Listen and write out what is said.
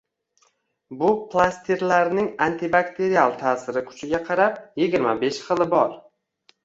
Bu plastirlarning antibakterial ta’siri kuchiga qarab yigirma besh xili bor.